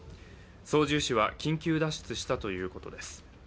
操縦士は緊急脱出したということです。